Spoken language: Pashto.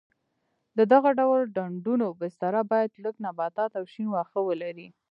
د دغه ډول ډنډونو بستره باید لږ نباتات او شین واښه ولري.